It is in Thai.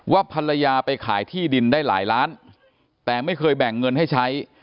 ภรรยาไปขายที่ดินได้หลายล้านแต่ไม่เคยแบ่งเงินให้ใช้